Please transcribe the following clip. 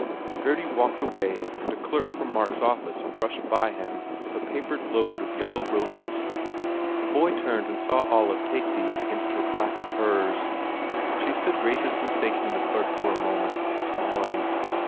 Gurdy walked away and a clerk from Mark s office brushed by him with a papered load of yellow roses. The boy turned and saw Olive take these against her black furs. She stood graciously thanking the clerk for a moment, smil ing.